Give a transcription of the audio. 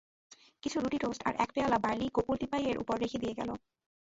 কিছু রুটি-টোস্ট আর এক পেয়ালা বার্লি গোকুল টিপাই-এর উপর রেখে দিয়ে গেল।